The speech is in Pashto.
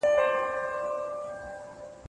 له امله دا کار ډېر وخت ونیاوه، تر څو هغوی خپل دا